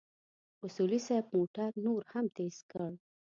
اصولي صیب موټر نور هم تېز کړ.